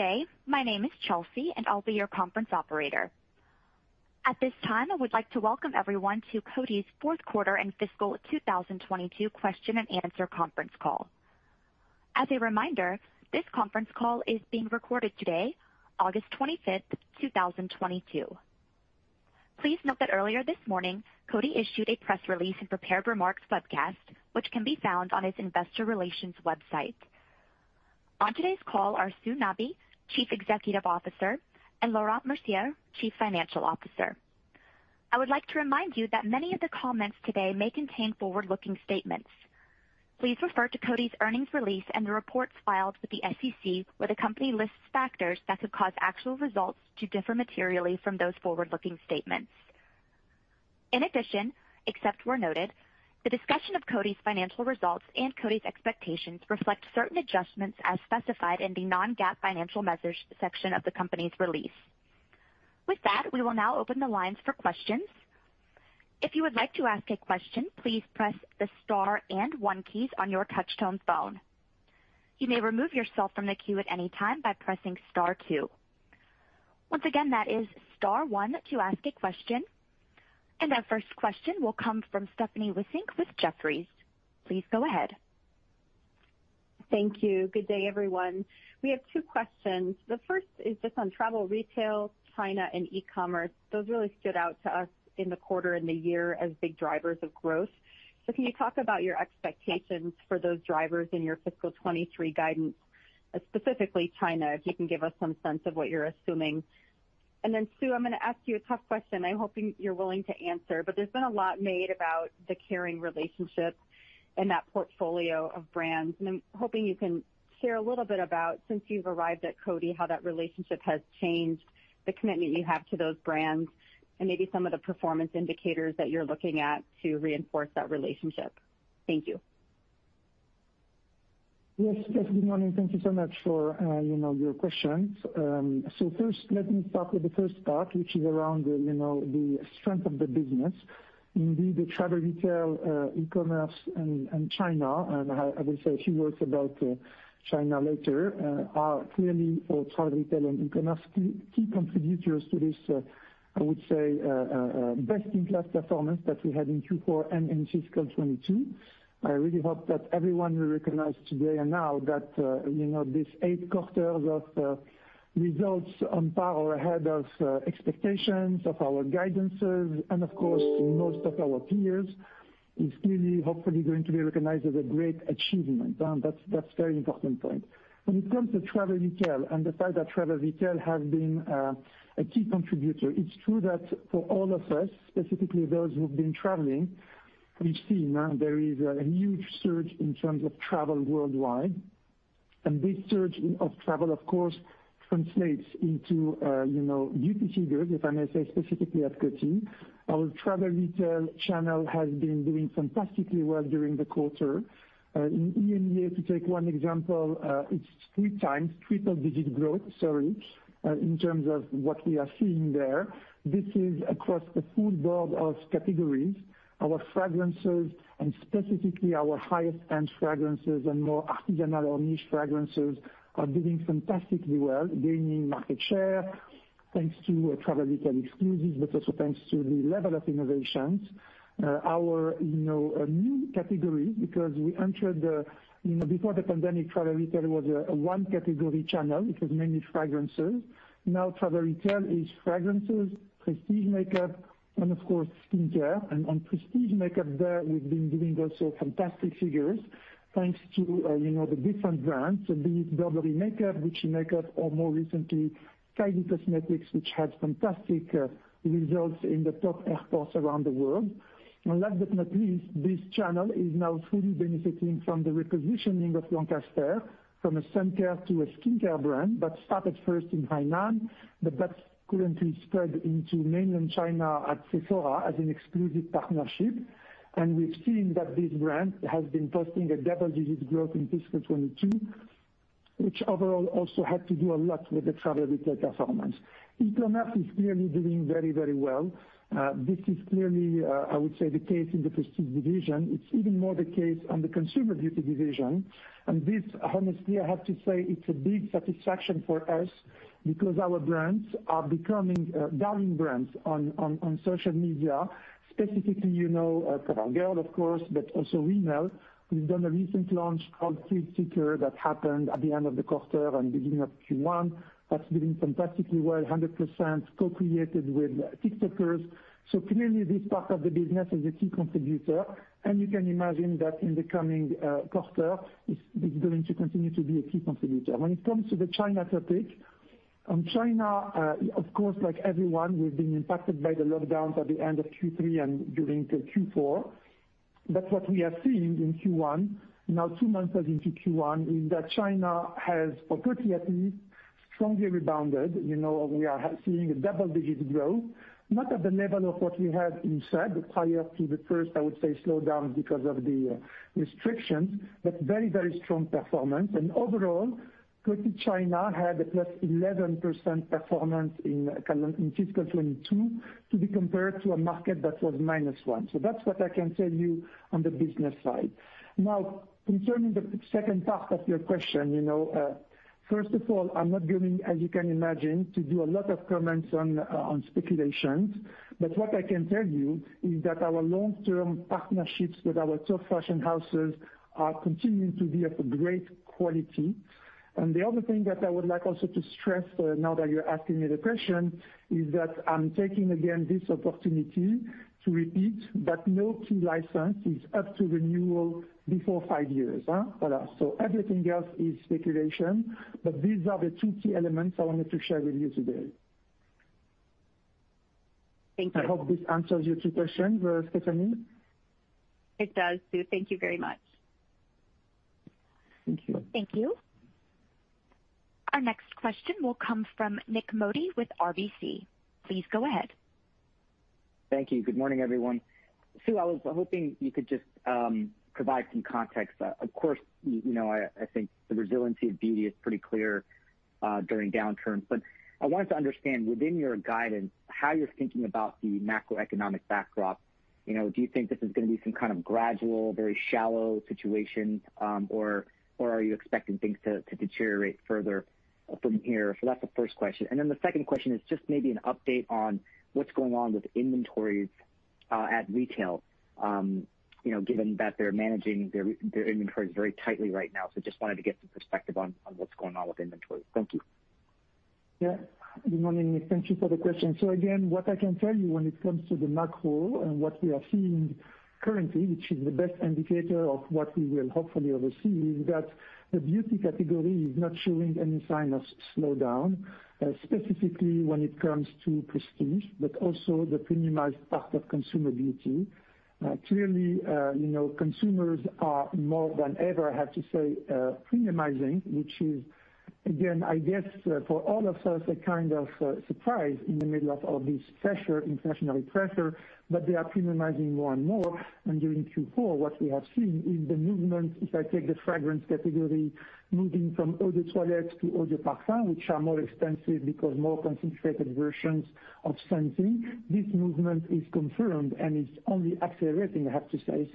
Good day. My name is Chelsea, and I'll be your conference operator. At this time, I would like to welcome everyone to Coty's Fourth Quarter and Fiscal 2022 Question and Answer Conference Call. As a reminder, this conference call is being recorded today, August 25th, 2022. Please note that earlier this morning, Coty issued a press release and prepared remarks webcast, which can be found on its investor relations website. On today's call are Sue Nabi, Chief Executive Officer, and Laurent Mercier, Chief Financial Officer. I would like to remind you that many of the comments today may contain forward-looking statements. Please refer to Coty's earnings release and the reports filed with the SEC, where the company lists factors that could cause actual results to differ materially from those forward-looking statements. In addition, except where noted, the discussion of Coty's financial results and Coty's expectations reflect certain adjustments as specified in the non-GAAP financial measures section of the company's release. With that, we will now open the lines for questions. If you would like to ask a question, please press the star and one keys on your touch-tone phone. You may remove yourself from the queue at any time by pressing star two. Once again, that is star one to ask a question. Our first question will come from Stephanie Wissink with Jefferies. Please go ahead. Thank you. Good day, everyone. We have two questions. The first is just on travel retail, China and e-commerce. Those really stood out to us in the quarter and the year as big drivers of growth. Can you talk about your expectations for those drivers in your fiscal 2023 guidance, specifically China, if you can give us some sense of what you're assuming? Then, Sue, I'm gonna ask you a tough question. I'm hoping you're willing to answer, but there's been a lot made about the Kering relationship and that portfolio of brands. I'm hoping you can share a little bit about, since you've arrived at Coty, how that relationship has changed, the commitment you have to those brands, and maybe some of the performance indicators that you're looking at to reinforce that relationship. Thank you. Yes. Good morning. Thank you so much for, you know, your questions. First, let me start with the first part, which is around the, you know, the strength of the business. Indeed, the travel retail, e-commerce and China, and I will say a few words about China later, are clearly for travel retail and e-commerce, key contributors to this, I would say, best-in-class performance that we had in Q4 and in fiscal 2022. I really hope that everyone will recognize today and now that, you know, this eight quarters of results on par or ahead of expectations, of our guidance's and of course, most of our peers, is clearly hopefully going to be recognized as a great achievement. That's very important point. When it comes to travel retail and the fact that travel retail has been a key contributor, it's true that for all of us, specifically those who've been traveling, we've seen there is a huge surge in terms of travel worldwide. This surge in travel, of course, translates into you know, beauty figures, if I may say, specifically at Coty. Our travel retail channel has been doing fantastically well during the quarter. In EMEA, to take one example, it's three times triple-digit growth, sorry, in terms of what we are seeing there. This is across the board of categories. Our fragrances, and specifically our high-end fragrances and more artisanal niche fragrances are doing fantastically well, gaining market share thanks to travel retail exclusives, but also thanks to the level of innovations. Our, you know, main category because we entered the, before the pandemic, travel retail was a one category channel. It was mainly fragrances. Now, travel retail is fragrances, prestige makeup, and of course, skincare. On prestige makeup there, we've been giving also fantastic figures thanks to, you know, the different brands, be it Burberry makeup, Gucci makeup, or more recently, Kylie Cosmetics, which has fantastic results in the top airports around the world. Last but not least, this channel is now fully benefiting from the repositioning of Lancaster from a sun care to a skincare brand that started first in Hainan, but that's currently spread into mainland China at Sephora as an exclusive partnership. We've seen that this brand has been posting a double-digit growth in fiscal 2022, which overall also had to do a lot with the travel retail performance. E-commerce is clearly doing very, very well. This is clearly, I would say the case in the prestige division. It's even more the case on the consumer beauty division. This, honestly, I have to say it's a big satisfaction for us because our brands are becoming darling brands on social media, specifically, you know, CoverGirl, of course, but also Rimmel. We've done a recent launch called Thrill Seeker that happened at the end of the quarter and beginning of Q1. That's doing fantastically well, 100% co-created with TikTokers. Clearly this part of the business is a key contributor, and you can imagine that in the coming quarter, it's going to continue to be a key contributor. When it comes to the China topic, on China, of course, like everyone, we've been impacted by the lockdowns at the end of Q3 and during Q4. What we have seen in Q1 now two months into Q1 is that China has, for Coty at least, strongly rebounded. You know, we are seeing double-digit growth, not at the level of what we had in, said, prior to the first, I would say, slowdown because of the restrictions, but very, very strong performance. Overall, Coty China had a +11% performance in fiscal 2022 to be compared to a market that was -1%. That's what I can tell you on the business side. Now, concerning the second part of your question, you know, first of all, I'm not going, as you can imagine, to do a lot of comments on speculations. What I can tell you is that our long-term partnerships with our top fashion houses are continuing to be of great quality. The other thing that I would like also to stress, now that you're asking me the question, is that I'm taking again this opportunity to repeat that no key license is up to renewal before five years? Voilà. Everything else is speculation, but these are the two key elements I wanted to share with you today. Thank you. I hope this answers your two questions, Stephanie. It does, Sue. Thank you very much. Thank you. Thank you. Our next question will come from Nik Modi with RBC. Please go ahead. Thank you. Good morning, everyone. Sue, I was hoping you could just provide some context. Of course, you know, I think the resiliency of beauty is pretty clear during downturns. I wanted to understand, within your guidance, how you're thinking about the macroeconomic backdrop. You know, do you think this is gonna be some kind of gradual, very shallow situation, or are you expecting things to deteriorate further from here? That's the first question. Then the second question is just maybe an update on what's going on with inventories at retail, you know, given that they're managing their inventories very tightly right now. Just wanted to get some perspective on what's going on with inventory. Thank you. Yeah. Good morning, Nick. Thank you for the question. Again, what I can tell you when it comes to the macro and what we are seeing currently, which is the best indicator of what we will hopefully oversee, is that the beauty category is not showing any sign of slowdown, specifically when it comes to prestige, but also the premiumized part of consumer beauty. Clearly, consumers are more than ever, I have to say, premiumizing, which is again, I guess, for all of us, a kind of surprise in the middle of all this pressure, inflationary pressure, but they are premiumizing more and more. During Q4, what we have seen is the movement, if I take the fragrance category, moving from eau de toilette to eau de parfum, which are more expensive because more concentrated versions of scenting, this movement is confirmed, and it's only accelerating, I have to say.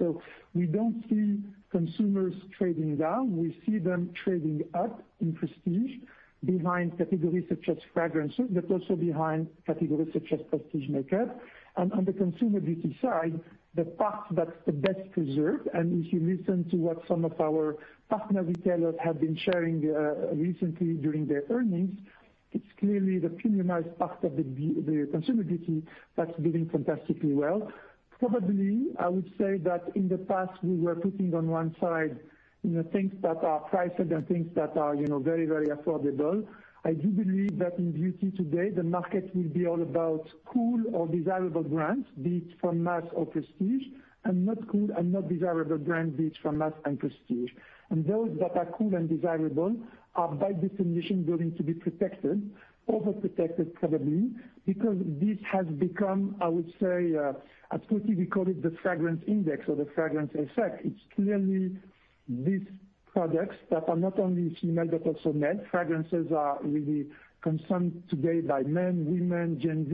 We don't see consumers trading down. We see them trading up in prestige behind categories such as fragrances, but also behind categories such as prestige makeup. On the consumer beauty side, the part that's the best preserved, and if you listen to what some of our partner retailers have been sharing, recently during their earnings, it's clearly the premiumized part of the consumer beauty that's doing fantastically well. Probably, I would say that in the past we were putting on one side, you know, things that are priced and things that are, you know, very, very affordable. I do believe that in beauty today, the market will be all about cool or desirable brands, be it from mass or prestige, and not cool and not desirable brands, be it from mass and prestige. Those that are cool and desirable are by definition going to be protected, overprotected probably, because this has become, I would say, at Coty, we call it the fragrance index or the fragrance effect. It's clearly these products that are not only female, but also male. Fragrances are really consumed today by men, women, Gen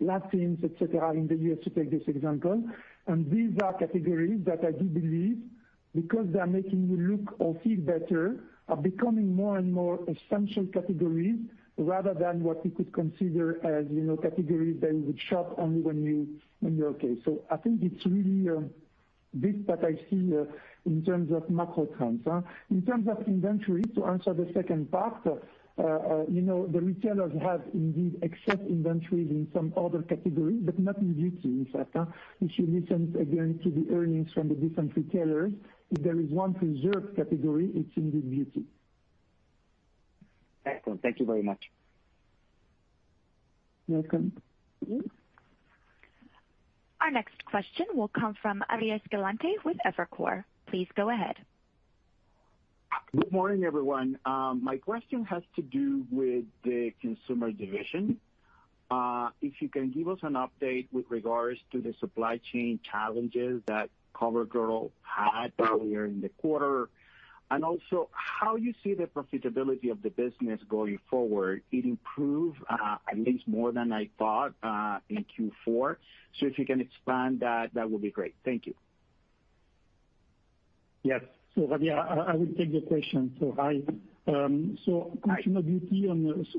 Z, Latins, et cetera, in the U.S., to take this example. These are categories that I do believe, because they are making you look or feel better, are becoming more and more essential categories rather than what you could consider as, you know, categories that you would shop only when you, when you're okay. I think it's really this that I see in terms of macro trends. In terms of inventory, to answer the second part, you know, the retailers have indeed excess inventories in some other categories, but not in beauty in fact. If you listen again to the earnings from the different retailers, if there is one preserved category, it's indeed beauty. Excellent. Thank you very much. You're welcome. Our next question will come from Andrea Teixeira with Evercore. Please go ahead. Good morning, everyone. My question has to do with the consumer division. If you can give us an update with regards to the supply chain challenges that CoverGirl had earlier in the quarter, and also how you see the profitability of the business going forward. It improved, at least more than I thought, in Q4. If you can expand that would be great. Thank you. Yes. Adi, I will take the question. Hi. Hi.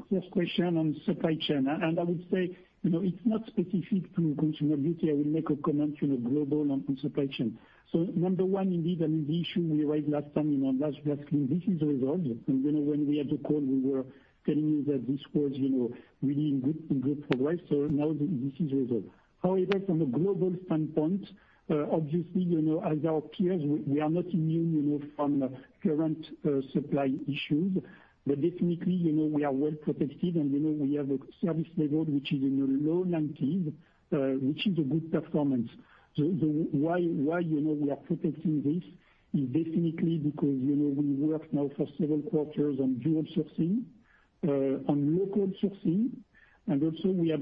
First question on supply chain. I would say, you know, it's not specific to consumer beauty. I will make a comment, you know, global on supply chain. Number one, indeed, I mean, the issue we raised last time in our last earnings call, this is resolved. You know, when we had the call, we were telling you that this was, you know, really in good progress. Now this is resolved. However, from a global standpoint, obviously, you know, as our peers, we are not immune, you know, from current supply issues. But definitely, you know, we are well protected, and, you know, we have a service level which is in the low 90s, which is a good performance. Why, you know, we are protecting this is definitely because, you know, we work now for several quarters on dual sourcing, on local sourcing. We have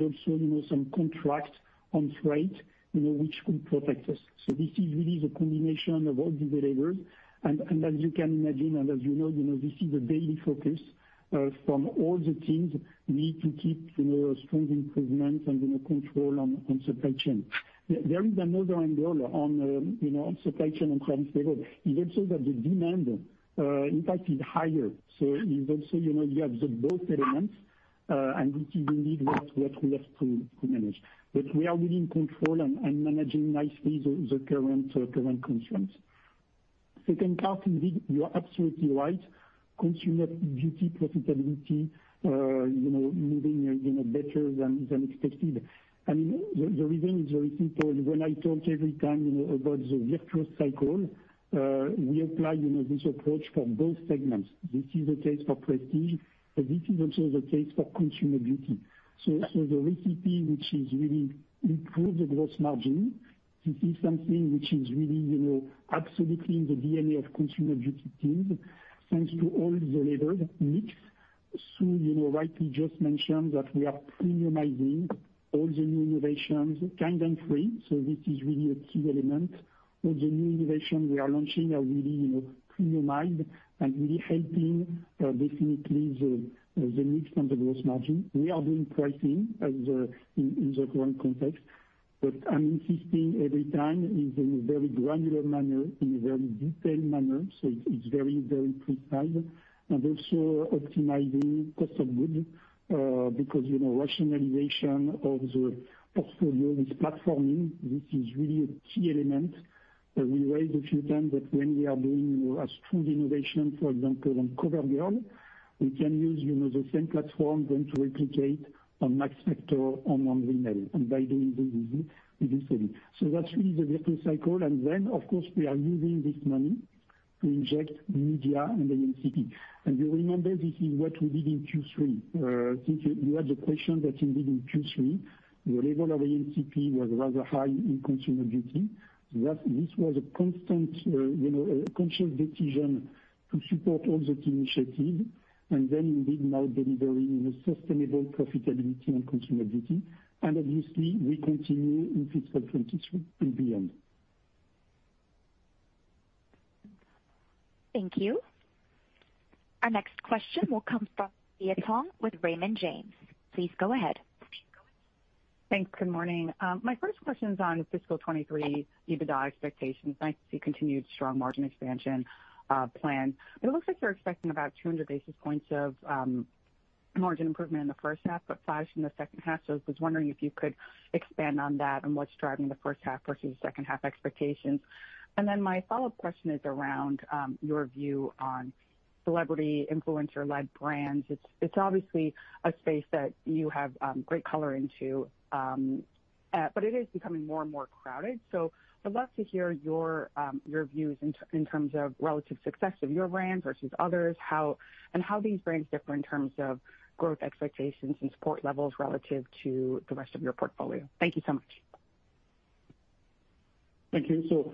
some contracts on freight, you know, which could protect us. This is really the combination of all these levers. As you can imagine and as you know, you know, this is a daily focus from all the teams need to keep, you know, strong improvements and, you know, control on supply chain. There is another angle on, you know, on supply chain and transport is also that the demand, in fact is higher. It's also, you know, you have both elements, and this is indeed what we have to manage. We are really in control and managing nicely the current constraints. Second part, indeed, you are absolutely right. Consumer beauty profitability, you know, moving better than expected. I mean, the reason is very simple. When I talk every time, you know, about the virtuous cycle, we apply, you know, this approach from both segments. This is a case for prestige, but this is also the case for consumer beauty. The recipe, which is really improve the gross margin, this is something which is really, you know, absolutely in the DNA of consumer beauty teams. Thanks to all the labor mix. Sue, you know, rightly just mentioned that we are premiumizing all the new innovations, Kind & Free. This is really a key element. All the new innovations we are launching are really, you know, premiumized and really helping definitely the mix on the gross margin. We are doing pricing in the current context. I'm insisting every time in a very granular manner, in a very detailed manner, so it's very, very precise. Also optimizing cost of goods, because, you know, rationalization of the portfolio is platforming. This is really a key element. We raised a few times that when we are doing a strong innovation, for example, on CoverGirl, we can use, you know, the same platform then to replicate on Max Factor or on Rimmel. By doing this, we do save. That's really the virtuous cycle. Then of course, we are using this money to inject media and A&CP. You remember this is what we did in Q3. Since you had the question that indeed in Q3, the level of A&CP was rather high in consumer beauty. This was a constant, you know, a conscious decision to support all those initiatives, and then indeed now delivering in a sustainable profitability on consumer beauty. Obviously we continue in fiscal 2023 and beyond. Thank you. Our next question will come from Olivia Tong with Raymond James. Please go ahead. Thanks. Good morning. My first question is on fiscal 2023 EBITDA expectations. Nice to see continued strong margin expansion plan. It looks like you're expecting about 200 basis points of margin improvement in the first half, but five from the second half. I was wondering if you could expand on that and what's driving the first half versus second half expectations. Then my follow-up question is around your view on celebrity influencer-led brands. It's obviously a space that you have great color into, but it is becoming more and more crowded. I'd love to hear your views in terms of relative success of your brand versus others and how these brands differ in terms of growth expectations and support levels relative to the rest of your portfolio. Thank you so much. Thank you.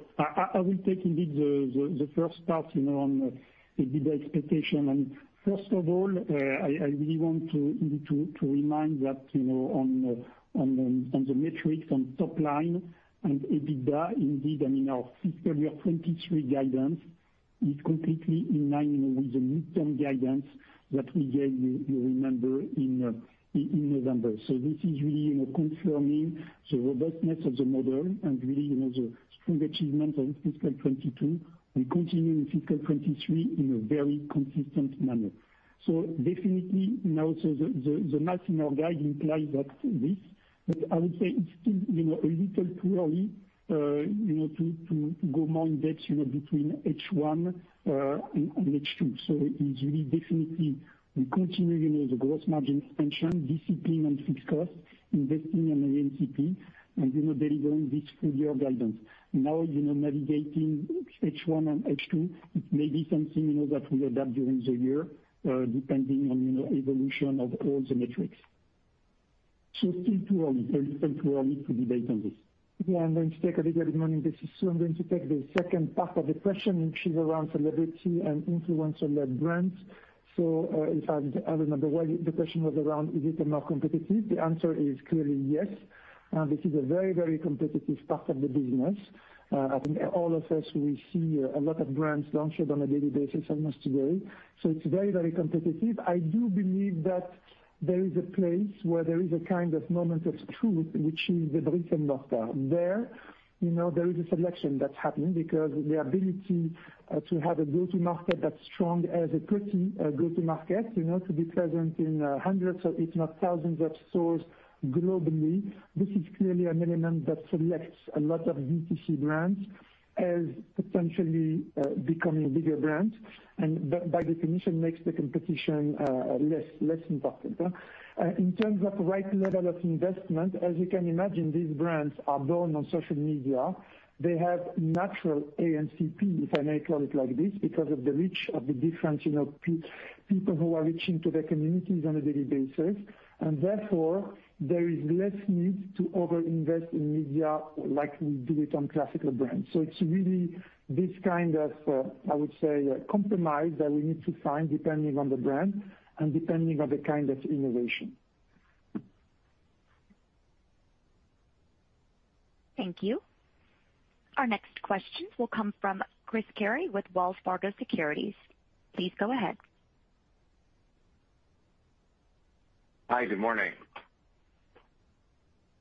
I will take indeed the first part, you know, on the EBITDA expectation. First of all, I really want to indeed remind that, you know, on the metrics on top line and EBITDA, indeed, I mean, our fiscal year 2023 guidance is completely in line with the midterm guidance that we gave you remember in November. This is really confirming the robustness of the model and really, the strong achievements of fiscal 2022 and continuing in fiscal 2023 in a very consistent manner. Definitely now, the math in our guide implies that this, but I would say it's still, you know, a little too early, you know, to go more in depth between H1 and H2. It is really definitely we continue the gross margin expansion, discipline on fixed costs, investing in the A&CP and, you know, delivering this full year guidance. Now, you know, navigating H1 and H2, it may be something, you know, that we adapt during the year, depending on, you know, evolution of all the metrics. Still too early, it's a little too early to debate on this. Yeah, I'm going to take the mic now. This is Sue. I'm going to take the second part of the question, which is around celebrity and influencer-led brands. If I remember well, the question was around is it more competitive. The answer is clearly yes. This is a very, very competitive part of the business. I think all of us, we see a lot of brands launched on a daily basis, almost today. It's very, very competitive. I do believe that there is a place where there is a kind of moment of truth, which is the brick-and-mortar. There, you know, there is a selection that's happening because the ability to have a go-to-market that's strong, a pretty strong go-to-market, you know, to be present in 100, if not 1000 of stores globally. This is clearly an element that selects a lot of D2C brands as potentially becoming bigger brands, and by definition makes the competition less important. In terms of right level of investment, as you can imagine, these brands are born on social media. They have natural A&CP, if I may call it like this, because of the reach of the different, you know, people who are reaching to their communities on a daily basis. Therefore there is less need to over-invest in media like we do it on classical brands. It's really this kind of, I would say, compromise that we need to find depending on the brand and depending on the kind of innovation. Thank you. Our next question will come from Chris Carey with Wells Fargo Securities. Please go ahead. Hi, good morning.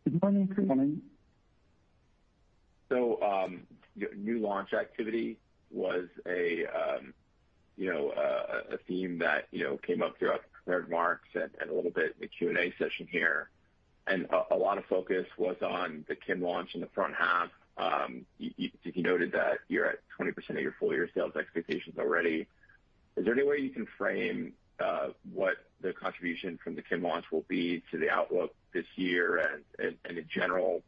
Good morning, Chris. Good morning. New launch activity was, a theme that, you know, came up throughout the prepared remarks and a little bit in the Q&A session here. A lot of focus was on the Kim launch in the front half. You noted that you're at 20% of your full-year sales expectations already. Is there any way you can frame what the contribution from the Kim launch will be to the outlook this year and in general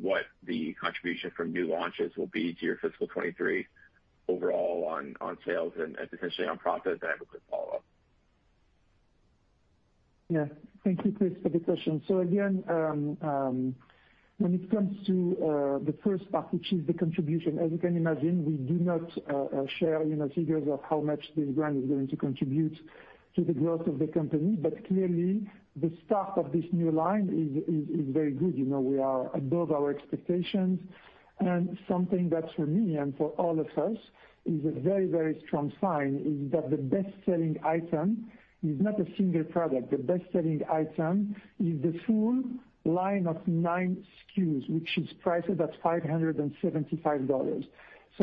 what the contribution from new launches will be to your fiscal 2023 overall on sales and potentially on profit? I have a quick follow-up. Thank you, Chris, for the question. Again, when it comes to the first part, which is the contribution, as you can imagine, we do not share figures of how much this brand is going to contribute to the growth of the company. Clearly, the start of this new line is very good. You know, we are above our expectations. Something that for me and for all of us is a very, very strong sign is that the best-selling item is not a single product. The best-selling item is the full line of nine SKUs, which is priced about $575.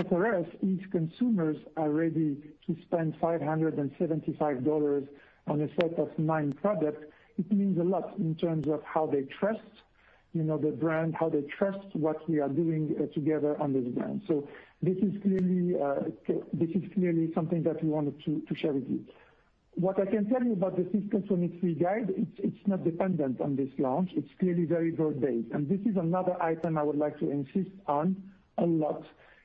For us, if consumers are ready to spend $575 on a set of nine products, it means a lot in terms of how they trust, you know, the brand, how they trust what we are doing, together on the brand. This is clearly something that we wanted to share with you. What I can tell you about the fiscal 2023 guide, it's not dependent on this launch. It's clearly very broad-based, and this is another item I would like to insist on a lot.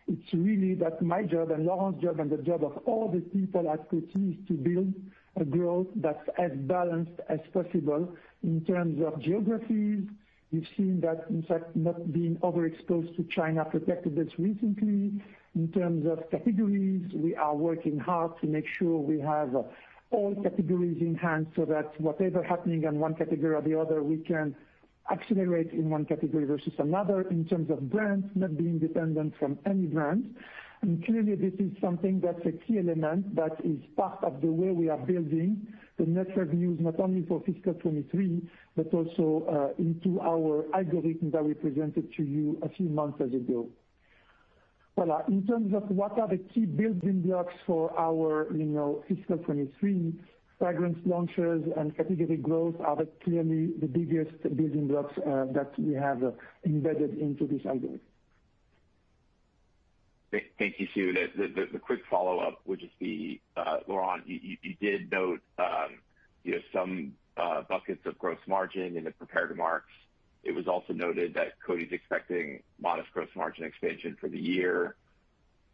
It's really that my job and Laurent's job and the job of all the people at Coty is to build a growth that's as balanced as possible in terms of geographies. We've seen that, in fact, not being overexposed to China protected us recently. In terms of categories, we are working hard to make sure we have all categories in hand so that whatever happening on one category or the other, we can accelerate in one category versus another. In terms of brands, not being dependent from any brand. Clearly this is something that's a key element that is part of the way we are building the net revenues, not only for fiscal 2023, but also into our algorithm that we presented to you a few months ago. Well, in terms of what are the key building blocks for our, you know, fiscal 2023 fragrance launches and category growth are clearly the biggest building blocks that we have embedded into this algorithm. Thank you, Sue. The quick follow-up would just be, Laurent, you did note some buckets of gross margin in the prepared remarks. It was also noted that Coty's expecting modest gross margin expansion for the year.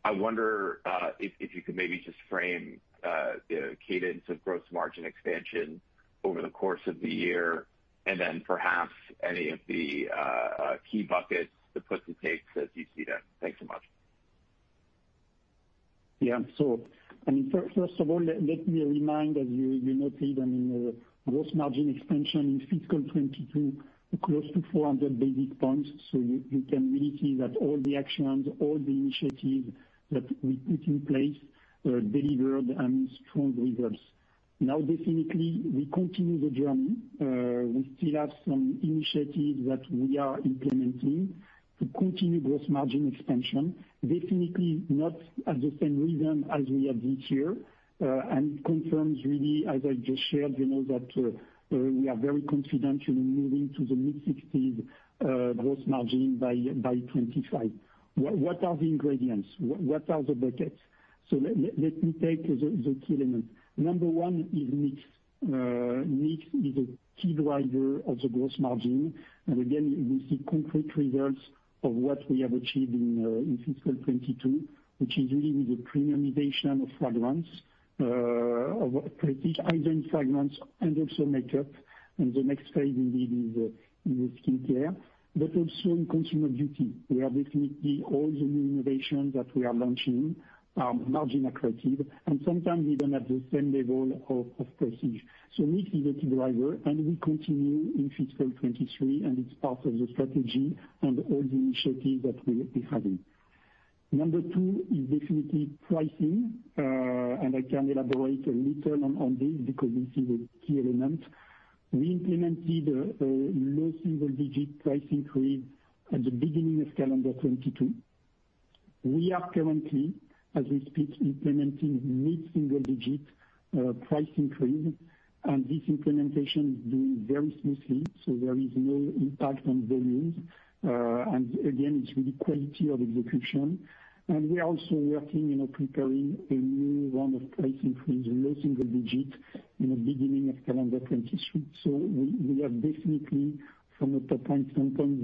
I wonder if you could maybe just frame the cadence of gross margin expansion over the course of the year and then perhaps any of the key buckets, the puts and takes as you see them. Thanks so much. Yeah. I mean, first of all, let me remind, as you noted, I mean, gross margin expansion in fiscal 2022, close to 400 basis points. You can really see that all the actions, all the initiatives that we put in place delivered strong results. Now, definitely we continue the journey. We still have some initiatives that we are implementing to continue gross margin expansion. Definitely not at the same rhythm as we have this year, and confirms really, as I just shared, you know, that we are very confident, you know, moving to the mid-60s% gross margin by 2025. What are the ingredients? What are the buckets? Let me take the key elements. Number one is mix. Mix is a key driver of the gross margin. Again, we see concrete results of what we have achieved in fiscal 2022, which is really the premiumization of fragrance, of prestige items, fragrance, and also makeup. The next phase indeed is skincare. Also in consumer beauty, where definitely all the new innovations that we are launching are margin accretive and sometimes even at the same level of prestige. Mix is a key driver, and we continue in fiscal 2023, and it's part of the strategy and all the initiatives that we'll be having. Number two is definitely pricing, and I can elaborate a little on this because this is a key element. We implemented a low single-digit price increase at the beginning of calendar 2022. We are currently, as we speak, implementing mid-single-digit price increase, and this implementation is going very smoothly, so there is no impact on volumes. Again, it's really quality of execution. We're also working, you know, preparing a new round of price increase, low-single-digits, in the beginning of calendar 2023. We are definitely from a top-line standpoint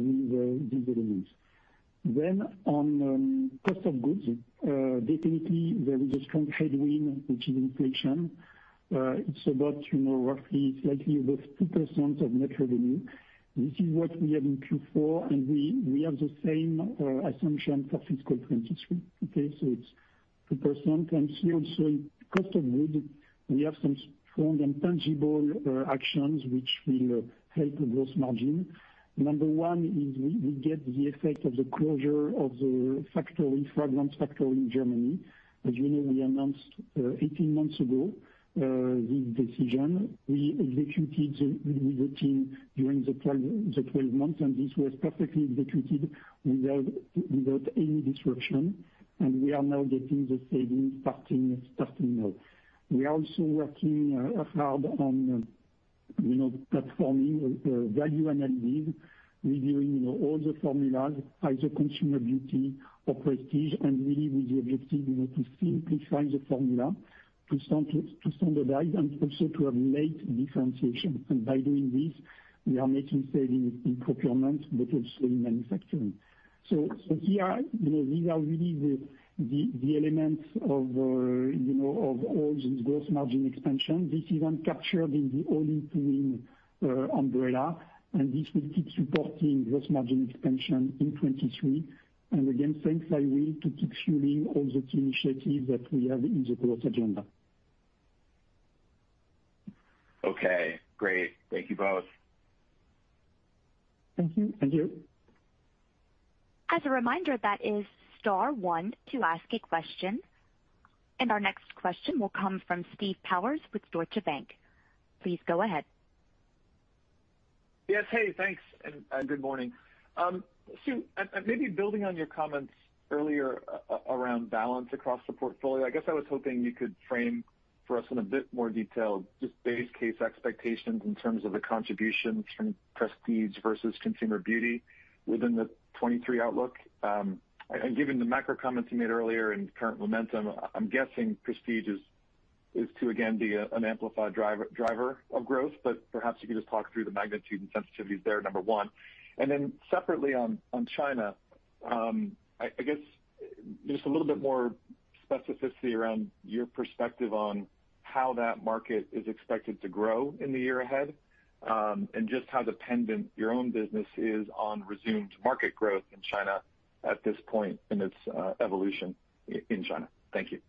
delivering this. On cost of goods, definitely there is a strong headwind, which is inflation. It's about, you know, roughly slightly above 2% of net revenue. This is what we have in Q4, and we have the same assumption for fiscal 2023. Okay, It's 2% and this also cost of goods. We have some strong and tangible actions which will help the gross margin. Number one is we get the effect of the closure of the factory, fragrance factory in Germany. As you know, we announced 18 months ago this decision. We executed with the team during the 12 months, and this was perfectly executed without any disruption, and we are now getting the savings starting now. We are also working hard on, you know, platforming the value analysis, reviewing all the formulas, either consumer beauty or prestige, and really with the objective to simplify the formula, to standardize and also to have late differentiation. By doing this, we are making savings in procurement, but also in manufacturing. Here, you know, these are really the elements of of all this gross margin expansion. This is then captured in the all including umbrella, and this will keep supporting gross margin expansion in 2023. Again, thanks, I will to keep fueling all the key initiatives that we have in the growth agenda. Okay, great. Thank you both. Thank you. Thank you. As a reminder, that is star one to ask a question. Our next question will come from Steve Powers with Deutsche Bank. Please go ahead. Yes. Hey, thanks, and good morning. Sue, maybe building on your comments earlier around balance across the portfolio, I guess I was hoping you could frame for us in a bit more detail just base case expectations in terms of the contributions from prestige versus consumer beauty within the 2023 outlook. Given the macro comments you made earlier and current momentum, I'm guessing prestige is to again be an amplified driver of growth, but perhaps you could just talk through the magnitude and sensitivities there, number one. Separately on China, I guess just a little bit more specificity around your perspective on how that market is expected to grow in the year ahead, and just how dependent your own business is on resumed market growth in China at this point in its evolution in China. Thank you.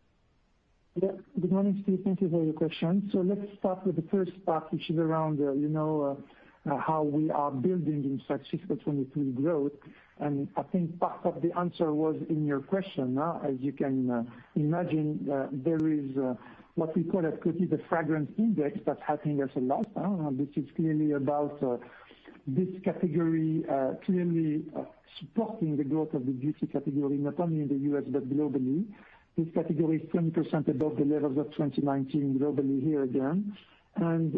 Yeah. Good morning, Steve. Thank you for your question. Let's start with the first part, which is around, you know, how we are building in such fiscal 2023 growth. I think part of the answer was in your question. As you can imagine, there is what we call at Coty the fragrance index that's helping us a lot. This is clearly about this category clearly supporting the growth of the beauty category, not only in the U.S., but globally. This category is 20% above the levels of 2019 globally here again.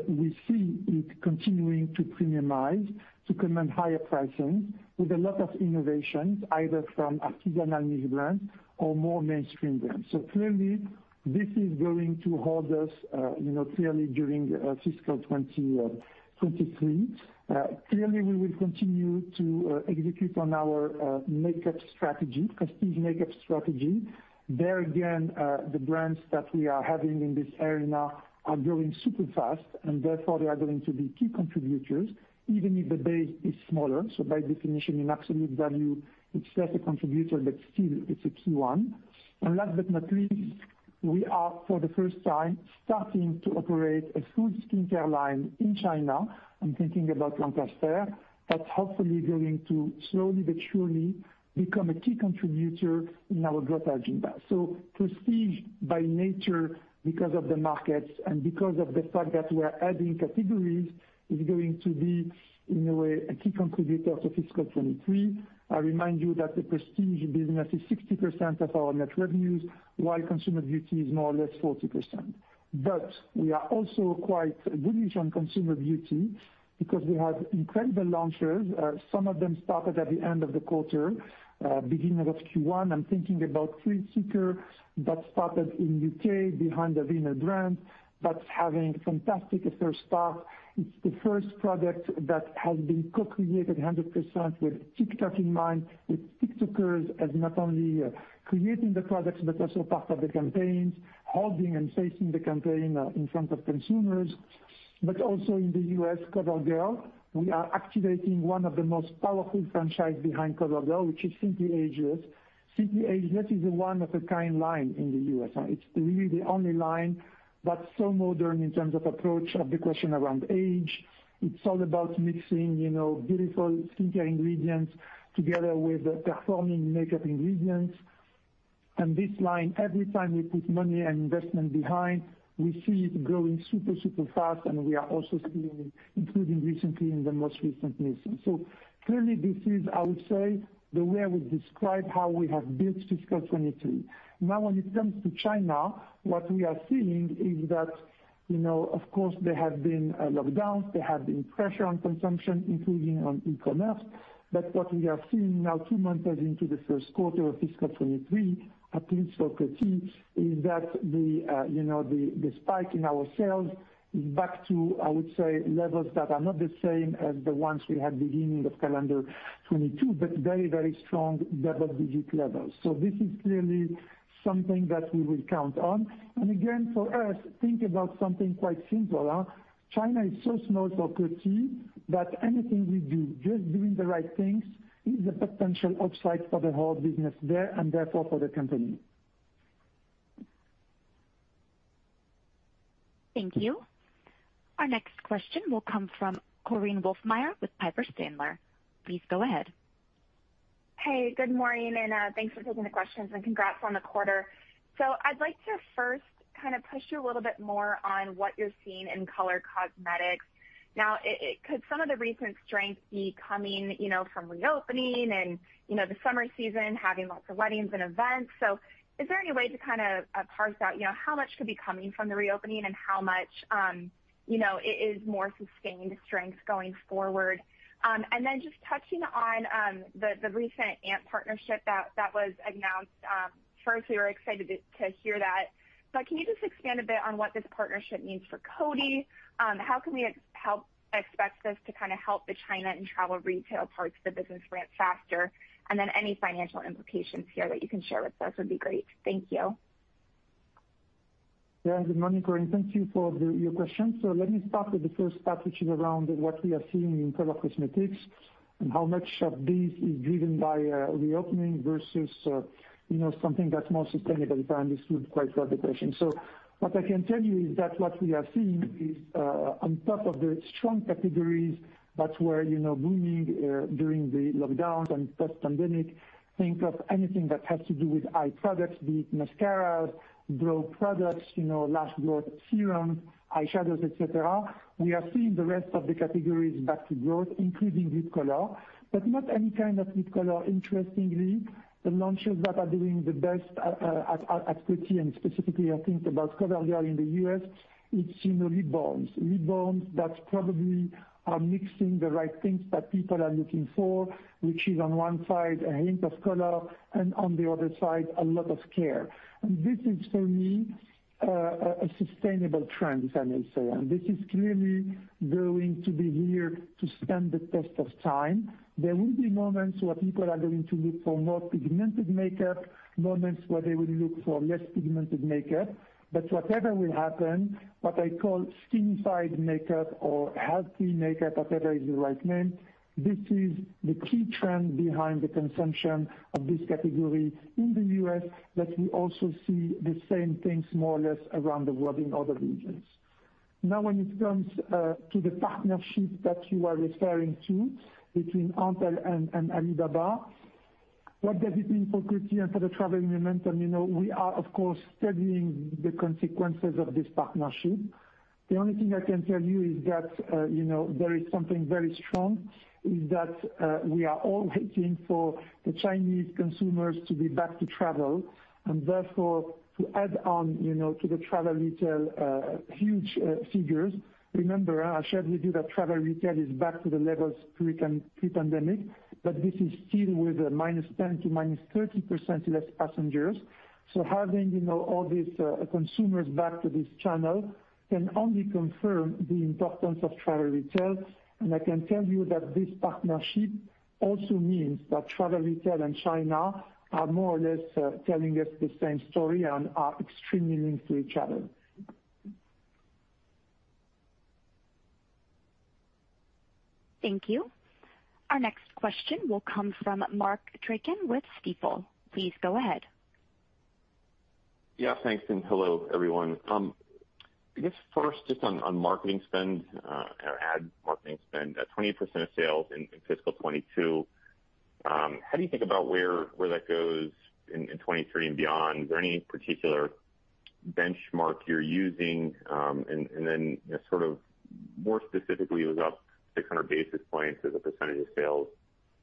We see it continuing to premiumize, to command higher pricing with a lot of innovations, either from artisanal niche brands or more mainstream brands. Clearly this is going to hold us, you know, clearly during fiscal 2023. Clearly, we will continue to execute on our makeup strategy, prestige makeup strategy. There again, the brands that we are having in this area now are growing super fast, and therefore, they are going to be key contributors even if the base is smaller. By definition, in absolute value, it's less a contributor, but still it's a key one. Last but not least, we are, for the first time, starting to operate a full skincare line in China. I'm thinking about Lancaster. That's hopefully going to slowly but surely become a key contributor in our growth agenda. Prestige by nature because of the markets and because of the fact that we're adding categories is going to be, in a way, a key contributor to fiscal 2023. I remind you that the prestige business is 60% of our net revenues, while consumer beauty is more or less 40%. We are also quite bullish on consumer beauty because we have incredible launches. Some of them started at the end of the quarter, beginning of Q1. I'm thinking about Thrill Seeker that started in U.K. behind the Rimmel brand, that's having fantastic first start. It's the first product that has been co-created 100% with TikTok in mind, with TikTokers as not only creating the products, but also part of the campaigns, holding and facing the campaign in front of consumers. Also in the U.S., CoverGirl, we are activating one of the most powerful franchise behind CoverGirl, which is Simply Ageless. Simply Ageless is a one of a kind line in the U.S. It's really the only line that's so modern in terms of approach of the question around age. It's all about mixing, you know, beautiful skincare ingredients together with performing makeup ingredients. This line, every time we put money and investment behind, we see it growing super fast, and we are also seeing it improving recently in the most recent months. Clearly this is, I would say, the way I would describe how we have built fiscal 2023. Now, when it comes to China, what we are seeing is that, you know, of course, there have been lockdowns, there have been pressure on consumption, including on e-commerce. What we are seeing now two months into the first quarter of fiscal 2023, at least for Coty, is that the spike in our sales is back to, I would say, levels that are not the same as the ones we had beginning of calendar 2022, but very, very strong double-digit levels. This is clearly something that we will count on. Again, for us, think about something quite simple, China is so small for Coty that anything we do, just doing the right things is a potential upside for the whole business there and therefore for the company. Thank you. Our next question will come from Korinne Wolfmeyer with Piper Sandler. Please go ahead. Hey, good morning, and thanks for taking the questions and congrats on the quarter. I'd like to first kinda push you a little bit more on what you're seeing in color cosmetics. Now, could some of the recent strength be coming, you know, from reopening and, you know, the summer season, having lots of weddings and events? Is there any way to kind a parse out how much could be coming from the reopening and how much, you know, it is more sustained strength going forward? Then just touching on the recent Ant partnership that was announced. First, we were excited to hear that. Can you just expand a bit on what this partnership means for Coty? How can we expect this to kinda help the China and travel retail parts of the business ramp faster? Any financial implications here that you can share with us would be great. Thank you. Yeah. Good morning, Korinne. Thank you for your question. Let me start with the first part, which is around what we are seeing in color cosmetics and how much of this is driven by reopening versus you know something that's more sustainable. To answer your question. What I can tell you is that what we are seeing is on top of the strong categories that were you know booming during the lockdown and post-pandemic, think of anything that has to do with eye products, be it mascaras, brow products, you know, lash growth serum, eyeshadows, et cetera. We are seeing the rest of the categories back to growth, including lip color, but not any kind of lip color. Interestingly, the launches that are doing the best at Coty, and specifically I think about CoverGirl in the U.S., it's you know lip balms. Lip balms that probably are mixing the right things that people are looking for, which is on one side a hint of color and on the other side a lot of care. This is for me a sustainable trend, if I may say. This is clearly going to be here to stand the test of time. There will be moments where people are going to look for more pigmented makeup, moments where they will look for less pigmented makeup. Whatever will happen, what I call skin side makeup or healthy makeup, whatever is the right name, this is the key trend behind the consumption of this category in the U.S., but we also see the same things more or less around the world in other regions. Now, when it comes to the partnership that you are referring to between Ant and Alibaba, what does it mean for Coty and for the travel momentum? You know, we are of course studying the consequences of this partnership. The only thing I can tell you is that, you know, there is something very strong, is that, we are all waiting for the Chinese consumers to be back to travel, and therefore, to add on, you know, to the travel retail, huge figures. Remember, I shared with you that travel retail is back to the levels pre-pandemic, but this is still with a -10% to -30% less passengers. Having, you know, all these consumers back to this channel can only confirm the importance of travel retail. I can tell you that this partnership also means that travel retail and China are more or less telling us the same story and are extremely linked to each other. Thank you. Our next question will come from Mark Astrachan with Stifel. Please go ahead. Yeah, thanks, and hello, everyone. I guess first just on marketing spend, or ad marketing spend, at 20% of sales in fiscal 2022, how do you think about where that goes in 2023 and beyond? Is there any particular benchmark you're using? You know, sort of more specifically, it was up 600 basis points as a percentage of sales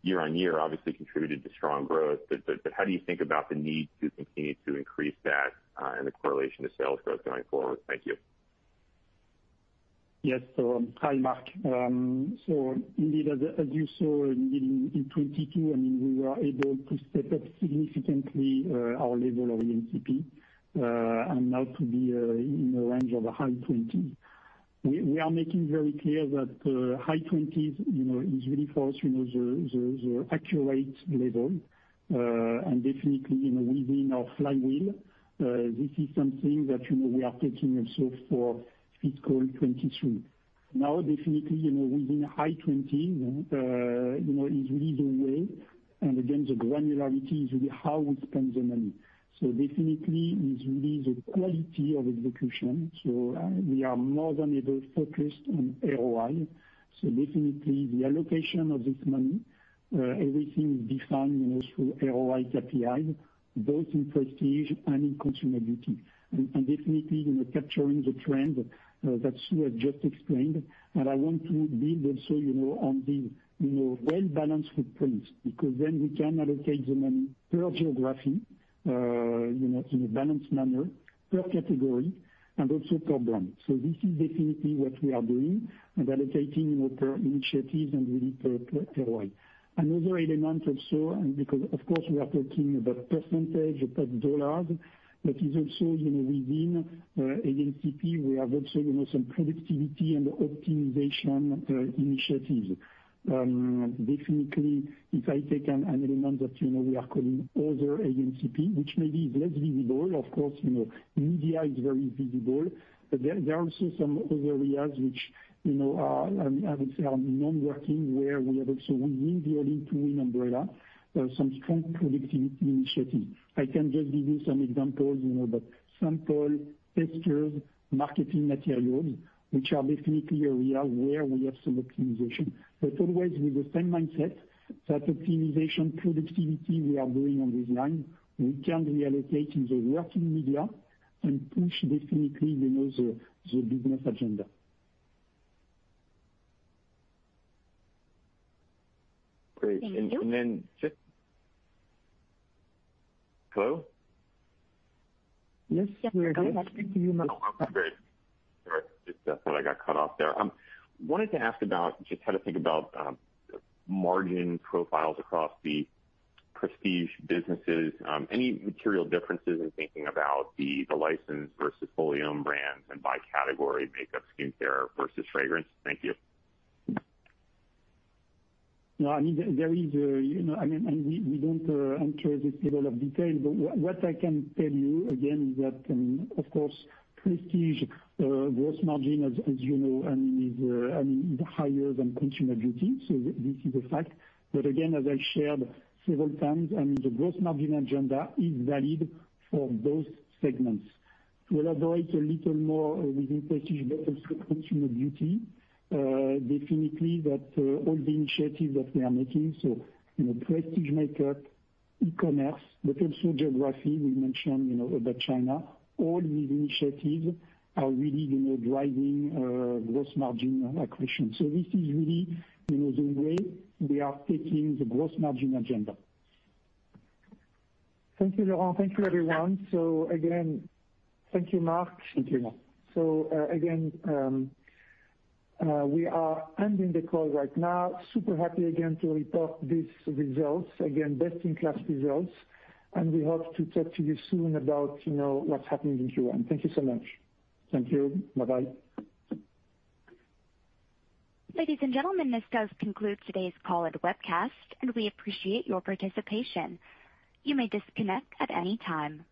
year-on-year obviously contributed to strong growth. How do you think about the need to continue to increase that, and the correlation to sales growth going forward? Thank you. Yes. Hi, Mark. Indeed, as you saw in 2022, I mean, we were able to step up significantly our level of A&CP and now to be in the range of high 20%. We are making very clear that high 20s%, you know, is really for us you know, zero, zero accurate level and definitely, you know, within our flywheel. This is something that, you know, we are taking also for fiscal 2022. Now, definitely, you know, within high 20% you know is really the way. And again, the granularity is really how we spend the money. Definitely is really the quality of execution. We are more than able to focus on ROI. Definitely the allocation of this money, everything is defined, you know, through ROI KPI, both in prestige and in consumer beauty. Definitely, you know, capturing the trend that you have just explained. I want to build also, you know, on the, you know, well-balanced footprint, because then we can allocate the money per geography, you know, in a balanced manner, per category, and also per brand. This is definitely what we are doing, allocating per initiatives and really per ROI. Another element also, because of course we are talking about percentage of dollars, but is also, you know, within A&CP, we have also some productivity and optimization initiatives. Definitely, if I take an element that, you know, we are calling other A&CP, which maybe is less visible, of course, you know, media is very visible. There are also some other areas which, you know, are, I would say are non-working, where we have also within the Ready to Win umbrella, some strong productivity initiatives. I can just give you some examples, you know, but sample, testers, marketing materials, which are definitely areas where we have some optimization. Always with the same mindset that optimization productivity we are doing on this line, we can reallocate in the working media and push definitely, you know, the business agenda. Hello? Yes, we are going. I can hear you. Oh, okay, great. Sorry, just thought I got cut off there. Wanted to ask about just how to think about margin profiles across the prestige businesses. Any material differences in thinking about the license versus volume brands and by category, makeup, skincare versus fragrance? Thank you. No, I mean, we don't enter this level of detail, but what I can tell you again is that, of course, Prestige gross margin, as you know, I mean, is higher than Consumer Beauty, so this is a fact. Again, as I shared several times, the gross margin agenda is valid for both segments. To elaborate a little more within Prestige but also Consumer Beauty, definitely all the initiatives that we are making, you know, Prestige makeup, e-commerce, but also geography. We mentioned, you know, about China. All these initiatives are really, you know, driving gross margin accretion. This is really, you know, the way we are taking the gross margin agenda. Thank you, Laurent. Thank you, everyone. Again, thank you, Mark. Thank you, Sue. Again, we are ending the call right now. Super happy again to report these results. Again, best-in-class results, and we hope to talk to you soon about, you know, what's happening in Q1. Thank you so much. Thank you. Bye-bye. Ladies and gentlemen, this does conclude today's call and webcast, and we appreciate your participation. You may disconnect at any time.